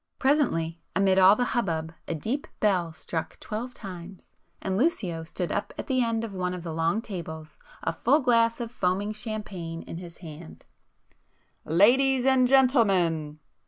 Presently, amid all the hubbub, a deep bell struck twelve times, and Lucio stood up at the end of one of the long tables, a full glass of foaming champagne in his hand— "Ladies and gentlemen!"